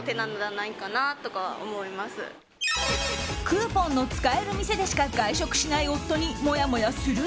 クーポンの使える店でしか外食しない夫にもやもやする？